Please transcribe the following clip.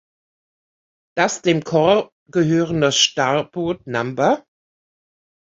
Das dem Corps gehörende Starboot No.